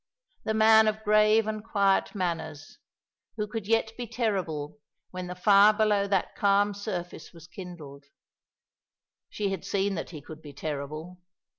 The man of grave and quiet manners, who could yet be terrible when the fire below that calm surface was kindled. She had seen that he could be terrible.